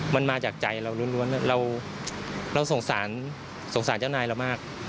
มันมาจากใจเราล้วนเราสงสารสงสารเจ้านายเรามาก